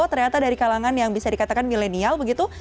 jadi ternyata dari kalangan yang bisa dikatakan milenial begitu